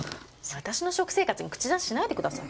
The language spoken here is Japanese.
私の食生活に口出ししないでください。